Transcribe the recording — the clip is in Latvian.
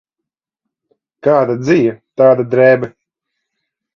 Kāda dzija, tāda drēbe.